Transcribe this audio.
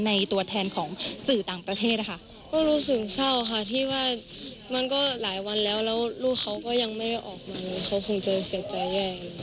ตัวแทนของสื่อต่างประเทศนะคะก็รู้สึกเศร้าค่ะที่ว่ามันก็หลายวันแล้วแล้วลูกเขาก็ยังไม่ได้ออกมาเขาคงจะเสียใจแย่